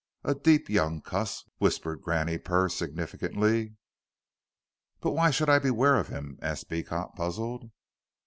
A deep young cuss," whispered Granny Purr, significantly. "But why should I beware of him?" asked Beecot, puzzled.